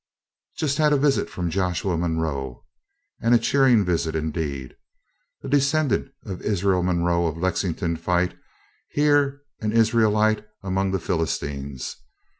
Just had a visit from Joshua Munroe, and a cheering visit, indeed, a descendant of Israel Munroe of Lexington fight, and here an Israelite among the Philistines.